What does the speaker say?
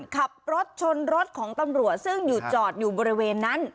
ขับรถชนรถของตำรวจซึ่งอยู่จอดอยู่บริเวณนั้น